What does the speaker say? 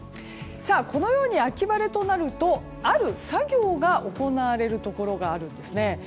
このように秋晴れとなるとある作業が行われるところがあるんです。